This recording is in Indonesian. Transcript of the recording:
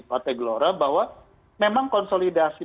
partai gelora bahwa memang konsolidasi